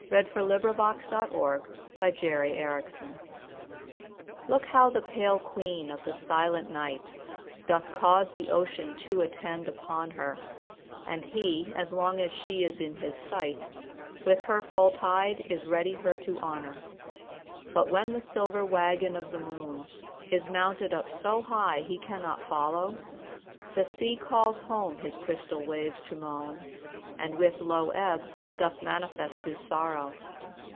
S T . U V . W X . Y Z A Sonnet of the Moon LOOK how the pale queen of the silent night Doth cause the ocean to attend upon her, And he, as long as she is in his sight, With her full tide is ready her to honor. But when the silver waggon of the moon Is mounted up so high he cannot follow, The sea calls home his crystal waves to moan, And with low ebb doth manifest his sorrow.